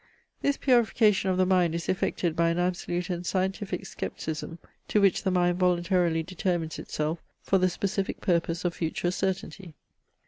This purification of the mind is effected by an absolute and scientific scepticism, to which the mind voluntarily determines itself for the specific purpose of future certainty.